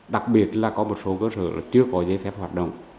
đặc biệt là có một số cơ sở chưa có giấy phép hoạt động